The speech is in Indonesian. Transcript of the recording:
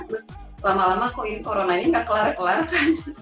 terus lama lama kok ini coronanya nggak kelar kelar kan